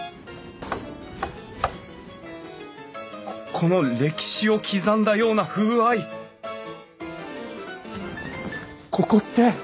この歴史を刻んだような風合いここって！